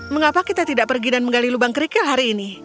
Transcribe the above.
mengapa kita tidak pergi dan menggali lubang kerikil hari ini